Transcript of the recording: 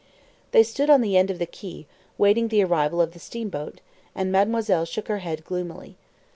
They stood on the end of the quay, waiting the arrival of the steamboat, and mademoiselle shook her head gloomily.